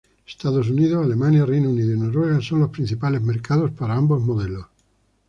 Estados Unidos, Alemania, Reino Unido y Noruega son los principales mercados para ambos modelos.